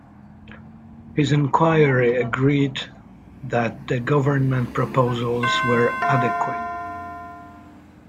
His enquiry agreed that the government proposals were adequate.